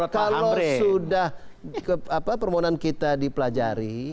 kalau sudah permohonan kita dipelajari